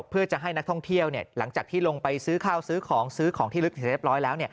เพื่อจะให้นักท่องเที่ยวหลังจากที่ลงไปซื้อข้าวซื้อของซื้อของที่ลึกเสร็จเรียบร้อยแล้ว